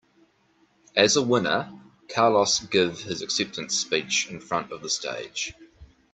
As a winner, Carlos give his acceptance speech in front of the stage.